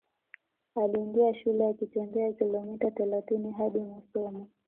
Aliingia shule akitembea kilomita thelathini hadi Musoma